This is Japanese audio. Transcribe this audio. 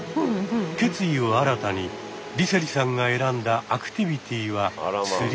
決意を新たに梨星さんが選んだアクティビティは釣り。